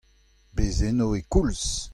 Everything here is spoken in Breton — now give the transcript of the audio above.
Bez eno e-koulz !